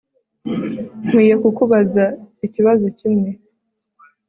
Nkwiye kukubaza ikibazo kimwe